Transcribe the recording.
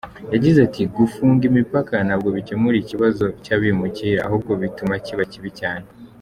Yagize ati “Gufunga imipaka ntabwo bikemura ikibazo cy’abimukira ahubwo bituma kiba kibi cyane.